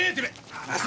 離せ！